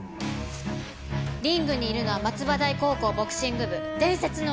リングにいるのは松葉台高校ボクシング部伝説のＯＢ。